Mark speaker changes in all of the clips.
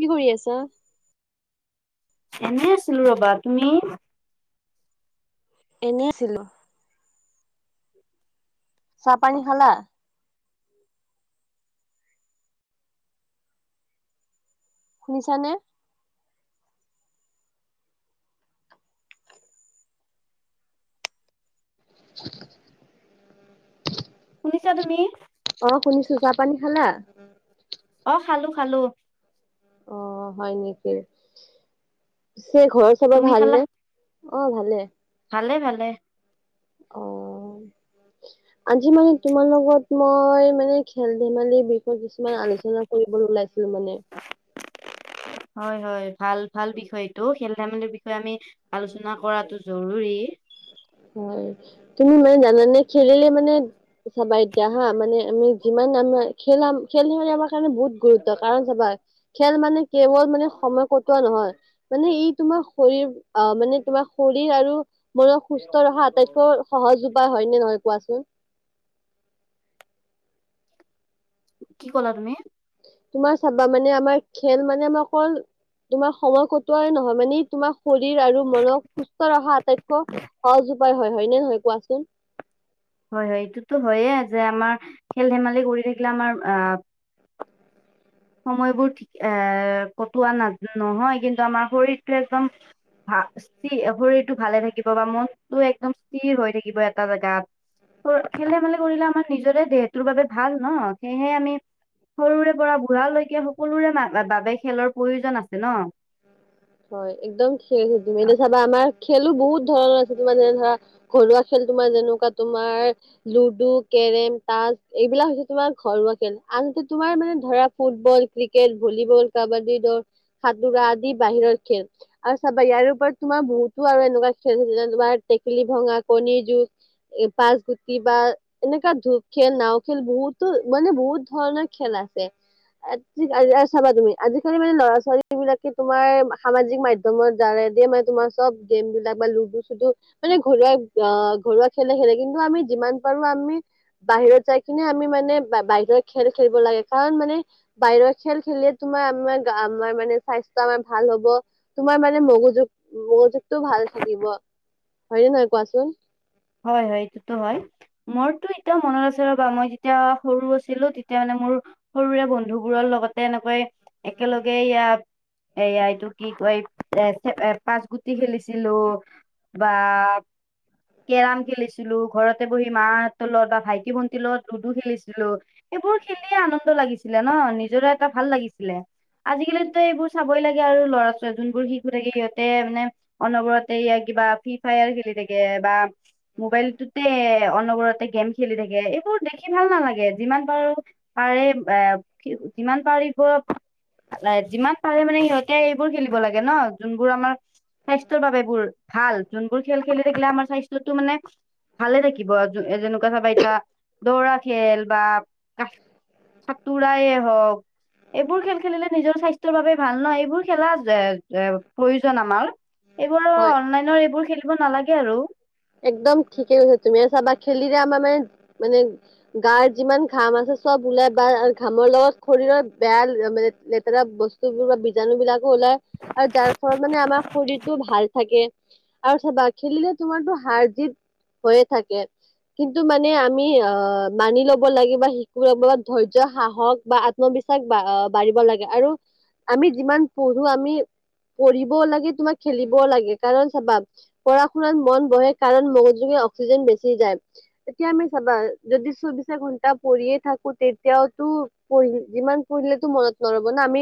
Speaker 1: কি কৰি আছা?
Speaker 2: এনে আছিলোঁ ৰবা। তুমি?
Speaker 1: এনে আছিলোঁ। চাহ-পানী খালা? শুনিছানে? থুচ থুচ
Speaker 2: শুনিছা তুমি?
Speaker 1: অ, শুনিছোঁ। চাহ-পানী খালা?
Speaker 2: অ, খালোঁ খালোঁ।
Speaker 1: অ, হয় নেকি? শেষ হৈ খবৰ
Speaker 2: তুমি খালা
Speaker 1: ভালনে? অ, ভালেই।
Speaker 2: ভালে ভালে।
Speaker 1: অ, আজি মানে তোমাৰ লগত মই, মানে খেল- ধেমালিৰ বিষয়ে কিছুমান আলোচনা কৰিবলৈ ওলাইছোঁ মানে।
Speaker 2: হয়, হয়। ভাল, ভাল বিষয় এইটো। খেল-ধেমালিৰ বিষয়ে আমি আলোচনা কৰাটো জৰুৰী।
Speaker 1: হয়, তুমি মানে জানানে? খেলিলে মানে চাবা এতিয়া হা, মানে আমি যিমান আমাৰ, খেল আমা খেল-ধেমালি আমাৰ কাৰণে বহুত গুৰুত্ব, কাৰণ চাবা খেল মানে কেৱল মানে সময় কটোৱা নহয়। মানে ই তোমাৰ শৰীৰ আ মানে তোমাৰ শৰীৰ আৰু মনক সুস্থ ৰখা আটাইতকৈ সহজ উপায়। হয় নে নহয় কোৱাচোন?
Speaker 2: কি ক'লা তুমি?
Speaker 1: তোমাৰ চাবা, মানে আমাৰ খেল মানে আমাৰ অকল - তোমাৰ সময় কটোৱাই নহয়, মানে তোমাৰ শৰীৰ আৰু মনক সুস্থ ৰখা আটাইতক - সহজ উপায় হয়, হয় নে নহয় কোৱাচোন?
Speaker 2: হয়, হয় এইটোতো হয়য়ে যে আমাৰ খেল-ধেমালি কৰি থাকিলে আমাৰ আ - সময়বোৰ ঠিক এ কটোৱা না নহয় কিন্তু, আমাৰ শৰীৰটো একদম - ভা স্থিৰ শৰীৰটো ভালে থাকিব বা মনটো একদম - স্থিৰ হৈ থাকিব এটা জেগাত, তোৰ খেল- ধেমালি কৰিলে আমাৰ নিজৰে দেহ টোৰ বাবে ভাল ন? সেয়হে আমি সৰুৰে পৰা - বুঢ়ালৈকে সকলোৰে মা এ, বাবে খেলৰ প্ৰয়োজন আছে ন?
Speaker 1: হয়, একদম খেল, তুমি এতিয়া চাবা আমাৰ খেলো বহুত ধৰণৰ আছে, তোমাৰ যেনে ধৰা - ঘৰুৱা খেল তোমাৰ যেনেকুৱা তোমাৰ - লুডু, কেৰেম, তাচ এইবিলাক হৈছে তোমাৰ ঘৰুৱা খেল, আনহাতে তোমাৰ মানে ধৰা ফুটবল - ক্ৰিকেট, ভলীবল, কাবাডী ধৰ - ডবা আদি বাহিৰৰ খেল। আৰু চাবা, ইয়াৰে ওপৰত তোমাৰ বহুতো আৰু এনেকুৱা খেল আছে। যেনে তোমাৰ টেকেলি ভঙা, কণী যুঁজ - এ, পাঁগ গুটি বা - এনেকুৱা ধূপ খেল, নাওঁ খেল বহুতো, মানে বহুত ধৰণৰ খেল আছে। আজি আজি এ চাবা তুমি আজিকালি মানে ল'ৰা ছোৱালী - সেই বিলাকে তোমাৰ সামাজিক মাধ্যমৰ যাৰে দিয়ে মানে তোমাৰ চব গেম বিলাক বা লুডু-চুডু - মানে ঘৰুৱা আ ঘৰুৱা খেলে খেলে। কিন্তু, আমি যিমান পাৰোঁ আমি - বাহিৰত যাই কিনে আমি মানে বা, বাহিৰ খেল খেলিব লাগে, কাৰণ মানে - বাহিৰৰ খেল খেলিলে তোমাৰ আমাৰ, গা আমাৰ মানে - স্বাস্থ্য আমাৰ ভাল হ'ব, তোমাৰ মানে মগজু মগজুটো ভাল থাকিব। হয়নে নহয় কোৱাচোন?
Speaker 2: হয়, হয় সেইটোত হয়। মোৰতো এতিয়াও মনত আছে ৰ'বা, মই তেতিয়া সৰু আছিলোঁ, তেতিয়া মানে মোৰ - সৰুৰে বন্ধুবোৰৰ লগতে এনেকৈ, একেলগে এইয়া, এইয়া এইটো কি কয় - এ পাঁচ গুটি খেলিছিলো বা - কেৰাম খেলিছিলোঁ, ঘৰতে বহি মাহঁতৰ লগত বা ভাইটি-ভন্টিৰ লগত লুডু খেলিছিলোঁ। এইবোৰ খেলিয়ে আনন্দ লাগিছিলে ন? নিজৰে এটা ভাল লাগিছিলে। আজিকালিতো এইবোৰ চাবই লাগে আৰু ল'ৰা ছোৱালী, যোনবোৰ শিশু থাকে, সিহঁতে মানে - অনবৰতে এইয়া কিবা ফ্ৰী ফায়াৰ খেলি থাকে, বা - মোবাইলটোতে অনবৰতে গেম খেলি থাকে, এইবোৰ দেখি ভাল নালাগে। যিমান পাৰোঁ, পাৰে ব এ কি যিমান পাৰিব - এ যিমান পাৰে মানে সিহঁতে এইবোৰ খেলিব লাগে ন? যোনবোৰ আমাৰ - স্বাস্থ্যৰ বাবে বোৰ ভাল, যোনবোৰ খেল খেলি থাকিলে আমাৰ স্বাস্থ্য টো মানে - ভালে থাকিব, য যেনেকুৱা চাবা এতিয়া, দৌৰা খেল বা সা সাতুৰাই হওঁক - এইবোৰ খেল খেলিলে নিজৰ স্বাস্থ্যৰ বাবে ভাল ন? এইবোৰ খেলা জে জে প্ৰয়োজন আমাৰ। এইবোৰ
Speaker 1: হয়
Speaker 2: আকৌ অনলাইনৰ এইবোৰ খেলিব নালাগে আৰু।
Speaker 1: একদম ঠিকে কৈছা তুমি। এই চাবা খেলিলে আমাৰ মানে, মানে - গাৰ যিমান ঘাম আছে চব ওলাই বা ঘামৰ লগত শৰীৰৰ বেয়া লেতেৰা ব স্তুবোৰ বীজাণু বিলাকো ওলাই আৰু যাৰ ফলত মানে আমাৰ শৰীৰটো ভাল থাকে। আৰু চাবা খেলিলে তোমাৰতো হাৰ জিত হৈয়ে থাকে। কিন্তু মানে আমি অ' মানি ল'ব লাগে বা শিকিল'ব লাগে ধৈৰ্য সাহস বা আত আত্মবিশ্বাস বা বাঢ়িব লাগে, আৰু আমি যিমান পঢ়ো আমি পঢ়িবও লাগে। তোমাৰ খেলিবও লাগে, কাৰণ চাবা পঢ়া শুনাত মন বহে। কাৰণ মগজুৰে অক্সিজন বেছি যায়। এতিয়া আমি চাবা, যদি চৌবিশ এ ঘণ্টা পঢ়িয়ে থাকো, তেতিয়াতো পঢ়িল যিমান পঢ়িলেতো মনত নৰব না। আমি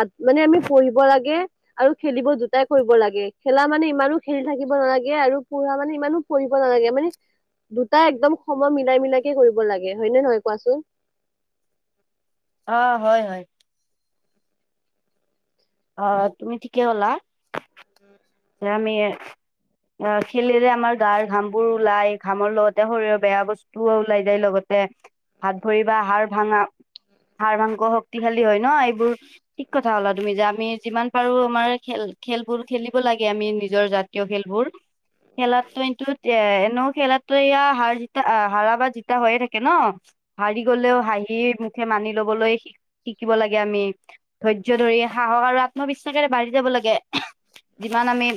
Speaker 1: আত মানে আমি পঢ়িব লাগে। আৰু খেলিব দুটাই কৰিব লাগে। খেলা মানে ইমানো খেলি থাকিব নালাগে, আৰু পঢ়া মানে ইমানো পঢ়িব নালাগে। মানে দুটা একদম সময় মিলাই মিলাই কে কৰিব লাগে হয় নে নহয় কোৱাচোন?
Speaker 2: আ' হয়, হয়। অ' তুমি ঠিকে ক'লা।
Speaker 1: [inaudible]
Speaker 2: [unintelligible] আ' খেলিলে আমাৰ গাৰ ঘামবোৰ ওলাই। ঘামৰ লগতে শৰীৰৰ বেয়া বচ ওলাই যায় লগতে। হাত ভৰি বা হাৰ ভাঙা। হাৰ মাংস শক্তিশালী হয় ন এইবোৰ। ঠিক কথা ক'লা তুমি। যে আমি যিমান পাৰো আমাৰ খেল খেলবোৰ খেলি ব লাগে আমি নিজৰ জাতীয় খেলবোৰ। খেলা টাইমটোত এনেও খেলাতো এয়া হাৰ জিতা, হ়াৰা বা জিতা হয়ে থাকে ন। হাৰি গলেও হাঁহি মুখে মানি লবলৈ শিক শিকিব লাগে আমি, ধৈৰ্য ধৰি সাহস আৰু আত্মবিশ্বাসেৰে বাঢ়ি যাব লাগে। যিমান আমি।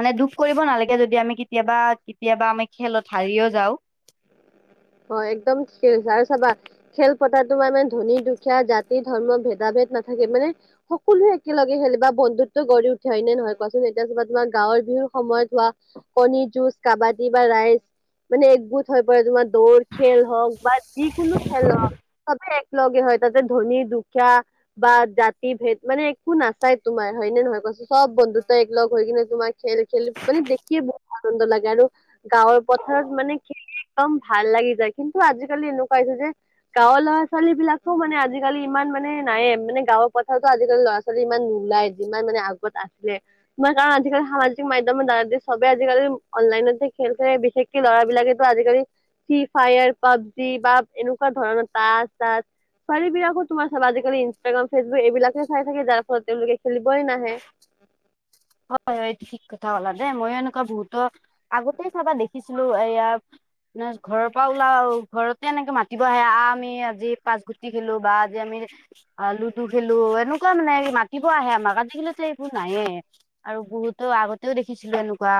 Speaker 2: মানে দুখ কৰিব নালাগে। যদি আমি কেতিয়াবা, কেতিয়াবা আমি খেলত হাৰিও যাওঁ।
Speaker 1: অ' একদম ঠিকেই কৈছা আৰু চাবা। খেল পতাটো তোমাৰ মানে ধনী-দুখীয়া, জাতি-ধৰ্ম ভেদা-ভেদ নাথাকে মানে। সকলোৱে একেলগে খেলে বা বন্ধুত্ব গঢ়ি উঠে হয় নে নহয় কোৱাচোন। এতিয়া চাবা তোমাৰ গাঁৱৰ বিহুৰ সময়ত হোৱা। কণী যুঁজ, কাবাদী বা ৰাইচ মানে একগোট হৈ পৰে তোমাৰ। দৌৰ খেল হওঁক বা যিকোনো খেল নহওঁক। চবেই এক লগে হয় তাতে ধনী-দুখীয়া। বা জাতি-ভেদ মানে একো নাচাই তোমাৰ হয়নে নহয় কোৱাচোন। চব বন্ধুত্ব একলগ হৈ কিনে তোমাৰ খেল-খেলি মানে দেখিয়ে বহুত আনন্দ লাগে। আৰু গাঁৱৰ পথাৰত মানে একদম ভাল লাগি যায়। কিন্তু আজিকালি এনেকুৱা হৈছে যে গাঁৱৰ ল'ৰা-ছোৱালী বিলাকো মানে আজিকালি ইমান মানে নাইয়ে। মানে গাঁৱৰ পথাৰতো আজিকালি ল'ৰা ছোৱালী ইমান নোলায়, যিমান মানে আগত আছিলে। তোমাৰ কাৰণ আজিকালি সামাজিক মাধ্যমৰ দ্বাৰা যে চবেই আজিকালি অনলাইনতে খেল খেলে, বিশেষ কে ল'ৰা বিলাকেটো আজিকালি ফ্ৰী ফায়াৰ, পাবজি বা এনেকুৱা ধৰণৰ তাচ-চাচ। ছোৱালী বিলাকো তোমাৰ চাবা আজিকালি ইনষ্টাগ্ৰাম, ফেচবুক এইবিলাকহে চাই থাকে। যাৰ ফলত তেওঁলোকে খেলিবই নাহে।
Speaker 2: অ' এইটো ঠিক কথা ক'লা দেই। ময়ো এনেকুৱা বহুতৰ আগতেই চাবা দেখিছিলো, এয়া না ঘৰৰ পৰা উলাও, ঘৰত তেনেকে মাতিব আহে। আহ' আমি আজি পাচ গুটি খেলো, বা আজি আমি অ' লুডু খেলো, এনেকুৱা মানে মাতিব আহে আমাক। আজি কালিটো এইবোৰ নাইয়ে। আৰু বহুতো আগতেও দেখিছিলো এনেকুৱা,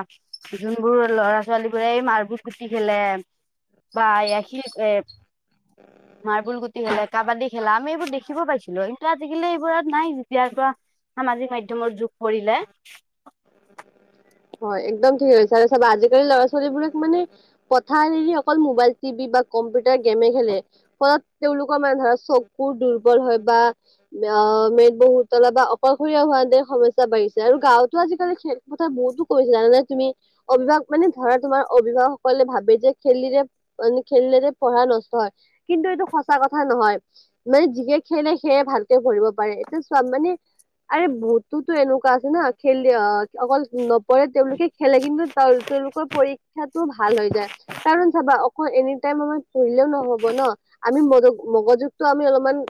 Speaker 2: যোনবোৰ ল'ৰা ছোৱালীবোৰে মাৰ্বল গুটি খেলে, বা এইয়া শিল এ
Speaker 1: [unintelligible]
Speaker 2: মাৰ্বল গুটি খেলে, কাবাডী খেলা আমি এইবোৰ দেখিব পাইছিলো, কিন্তু আজিকালি এইবোৰ নাই যেতিয়াৰ পৰা সামাজিক মাধ্যমৰ যুগ পৰিলে।
Speaker 1: হয়, একদম ঠিকেই কৈছা, আৰু চাবা আজিকালি ল'ৰা ছোৱালীবোৰক মানে। পথাৰ এৰি অকল মোবাইল টিভি বা কম্পিউটাৰ গেমে খেলে ফলত তেওঁলোকৰ মানে ধৰা চকুৰ দুৰ্বল হয় বা ' মেদ বহুতলা বা অকলসৰীয়া হোৱাতে সমস্যা বাঢ়িছে আৰু গাঁৱত তো আজিকালি খেল্প কথা বহুত কৈছিল জানানে তুমি? অভিভক মানে ধৰা তোমাৰ অভিভাৱকসকলে ভাবে যে খেলিলে মানে খেলিলে যে পঢ়া নষ্ট হয় কিন্তু এইটো সঁচা কথা নহয়। মানে যিহে খেলে সেয়ে ভালকে কৰিব পাৰে এইটো চোৱা মানে আৰে বহুততোটো এনেকুৱা আছে না [unintelligible] ' অকল নপঢ়ে তেওঁলোকে খেলে কিন্তু তেওঁলোকৰ পৰীক্ষাতটো ভাল হৈ যায়। কাৰণ চাবা অক এনি টাইম আমাৰ পঢ়িলেও নহব ন? আমি মগ- মগজুগটো আমি অলপমান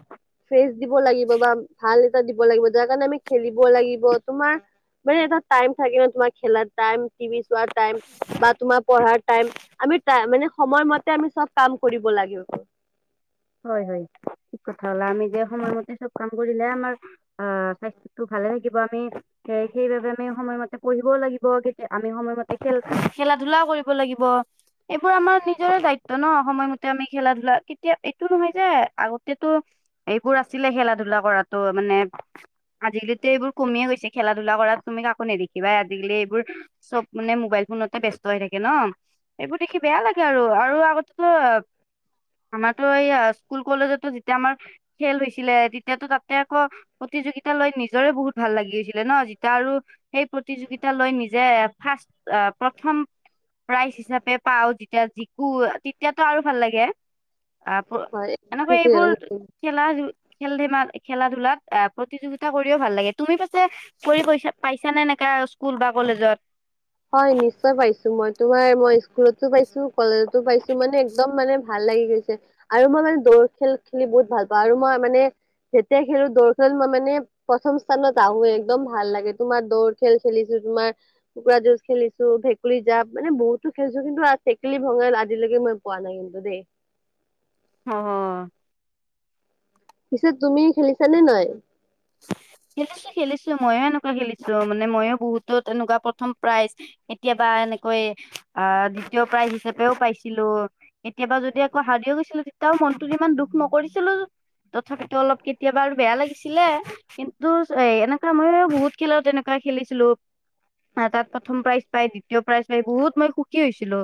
Speaker 1: ফ্ৰেচ দিব লাগিব বা ভাল এটা দিব লাগিব যাৰ কাৰণে আমি খেলিব লাগিব তোমাৰ মানে এটা টাইম থাকে ন' তোমাৰ খেলাৰ টাইম টিভি চোৱাৰ টাইম বা তোমাৰ পঢ়াৰ টাইম আমি টাই মানে সময়মতে আমি চব কাম কৰিব লাগিব।
Speaker 2: হয়, হয়। ঠিক কথা কলা আমি যে সময়মতে চব কাম কৰিলে আমাৰ অ' [unintelligible] [unintelligible] সেইবাবে আমি সময়মতে পঢ়িবও লাগিব কেতিয়া আমি সময়মতে খেল খেলা ধূলা [unintelligible] এইবোৰ আমাৰ নিজৰে দায়িত্ব ন' সময়মতে আমি খেলা ধূলা কেতিয়া সেইটো নহয় যে আগতেতো এইবোৰ আছিলে খেলা ধূলা কৰাটো মানে আজিকালিতো এইবোৰ কমি গৈছে খেলা ধূলা কৰাত তুমি কাকো নেদেখিবাই আজিকালি এইবোৰ চব মানে মোবাই ফোনতে ব্যস্ত হৈ থাকে ন' সেইবোৰ দেখি বেয়া লাগে আৰু, আৰু আগতেতো ত এই স্কুল কলেজতো যেতিয়া আমাৰ খেল হৈছিলে তেতিয়াতো তাতে আকৌ প্ৰতিযোগিতা লৈ নিজৰে বহুত ভাল লাগি গৈছিল ন' যেতিয়া আৰু সেই প্ৰতিযোগিতা লৈ নিজে ফাৰ্ষ্ট অ' প্ৰথম প্ৰাইজ হিচাপে পাও যেতিয়া জিকো তেতিয়াতো আৰু ভাল লাগে। আপ
Speaker 1: হয়
Speaker 2: এনেকুৱা
Speaker 1: এইটো ঠিক
Speaker 2: এইবোৰ
Speaker 1: আছে।
Speaker 2: খেলা খেল ধেমাল খেলা ধূলাত আহ প্ৰতিযোগিতা কৰিও ভাল লাগে তুমি [unintelligible] [unintelligible] পাইছা নে এনেকা স্কুল বা কলেজত?
Speaker 1: হয় নিশ্চয় পাইছো, মই তোমাৰ মই স্কুলতো পাইছো কলেজতো পাইছো মানে একদম মানে ভাল লাগি গৈছে আৰু মই মানে দৌৰ খেল খেলি বহুত ভাল পাওঁ আৰু মই মানে যেতিয়া খেলো দৰ খেল মই মানে প্ৰথম স্থানত আহোৱে একদম ভাল লাগে তোমাৰ দৌৰ খেল খেলিছো তোমাৰ কোকোৰা যুঁজ খেলিছো ভেকুলী জাপ মানে বহুতো খেলছো কিন্তু টেকেলী ভঙাত আজিলৈকে মই পোৱা নাই কিন্তু দেই।
Speaker 2: [unintelligible]
Speaker 1: পিছে তুমি খেলিছা নে নাই?
Speaker 2: খেলিছো খেলিছো ময়ো এনেকুৱা খেলিছো মানে মইো বহুতো তেনেকুৱা প্ৰথম প্ৰাইজ কেতিয়াবা এনেকৈ আহ দ্বিতীয় প্ৰাইজ হিচাপে তেওঁ পাইছিলো কেতিয়াবা যদি আকৌ হাৰিও গৈছিলো তেতিয়াও মনটোত ইমান দুখ নকৰিছিলো। তথাপিতো অলপ কেতিয়াবা আৰু বেয়া লাগিছিলে। কিন্তু এ এনেকুৱা মইও বহুত খেলত এনেকুৱা খেলিছিলো। তাত প্ৰথম প্ৰাইজ পাই দ্বিতীয় প্ৰাইজ পাই বহুত মই সুখী হৈছিলো।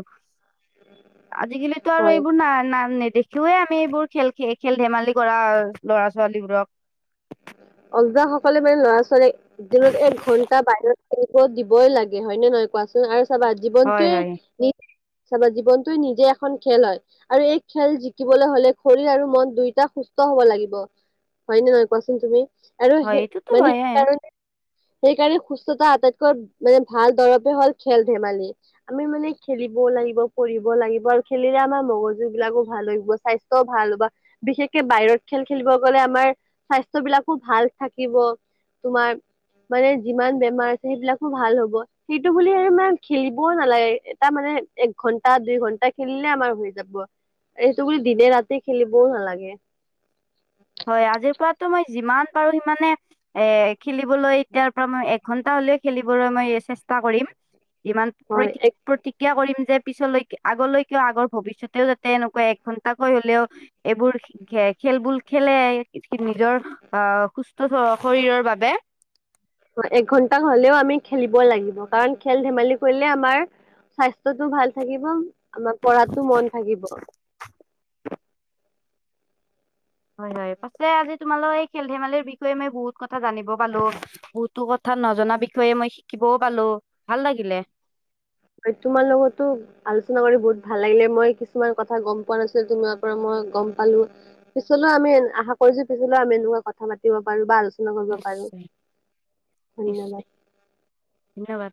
Speaker 2: আজিকালি তো আৰু
Speaker 1: হয়
Speaker 2: এইবোৰ ন- নাম নেদেখি। [unintelligible] আমি এইবোৰ খেল খ- খেল ধেমালি কৰা ল'ৰা ছোৱালীবোৰক
Speaker 1: বোজাসকলে মানে ল'ৰা ছোৱালী দিনত এক ঘন্টা বাহিৰত খেলিব দিবই লাগে হয়নে নহয় কোৱাচোন আৰু চাবা
Speaker 2: হয়
Speaker 1: জীৱনটোৱে
Speaker 2: হয়
Speaker 1: নি ছাবা জীৱনয়ে নিজে এখন খেলাৰ আৰু এই খেল জিকিবলৈ হলে শৰীৰ আৰু মন দুয়োটা সুস্থ হব লাগিব হয় নে নহয় কোৱাচোন তুমি আৰু
Speaker 2: হয়
Speaker 1: সে
Speaker 2: এইটোতো
Speaker 1: মানে
Speaker 2: হয়ে
Speaker 1: সেইকাৰণে সেইকাৰণে সুস্থতা আটাইতকৈ মানে ভাল দৰৱে হ'ল খেল ধেমালি আমি মানে খেলিবও লাগিব কৰিব লাগিব আৰু খেলিলে আমাৰ মগজু বিলাকো ভাল লাগিব স্বাস্থ্য ত ভাল বা বিশেষকে বাহিৰত খেল খেলিব গ'লে আমাৰ স্বাস্থ্য বিলাক খু ভাল থাকিব তোমাৰ মানে যিমান বেমাৰ আছে সেইবিলাকো ভাল হ'ব সেইটো বুলি আৰু মানে খেলিবও নালাগে এটা মানে এক ঘন্টা দুই ঘণ্টা খেলিলে আমাৰ হৈ যাব এইটো বুলি দিনে ৰাতি খেলিবও নালাগে
Speaker 2: হয় আজিৰ পৰাতো মই যিমান পাৰো সিমানে এ খেলিবলৈ এতিয়াৰ পৰা মই এঘন্টা হলেও খেলিবলৈ মই চেষ্টা কৰিম ইমান
Speaker 1: হয়
Speaker 2: প্ৰতি
Speaker 1: এক
Speaker 2: প্ৰতিক্ৰিয়া কৰিম যে পিছলৈ আগলৈকে আগৰ ভৱিষ্যতেও যাতে এনেকুৱা এক ঘন্টাকৈ হলেও এইবোৰ খে খেলবুল খেলে নিজৰ অ সুস্থ শৰীৰৰ বাবে
Speaker 1: একঘন্টা হলেও আমি খেলিব লাগিব কাৰণ খেল ধেমালি কৰিলে আমাৰ স্বাস্থ্যতো ভাল থাকিব আমাৰ পঢ়াতো মন থাকিব
Speaker 2: হয় হয় পাচে আজি তোমালোৰ এই খেল ধেমালিৰ বিষয়ে মই বহুত কথা জানিব পালো বহুতো কথা নজনা বিষয়ে মই শিকিবও পালো ভাল লাগিলে
Speaker 1: এই তোমাৰ লগৰতো আলোচনা কৰি বহুত ভাল লাগিলে মই কিছুমান কথা গম পোৱা নাছিলো তোমাৰ পৰা মই গম পালো পিছলৈও আমি আশ কৰিছো পিছলৈও আমি এনেকুৱা কথা পাতি পাৰো বা আলোচনা চনা কৰিব পাৰো
Speaker 2: নিশ্চয় নিশ্চয়
Speaker 1: ধন্যবাদ
Speaker 2: ধন্যবাদ